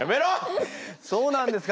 そうなんですか？